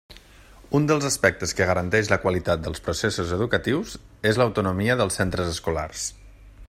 Un dels aspectes que garanteix la qualitat dels processos educatius és l'autonomia dels centres escolars.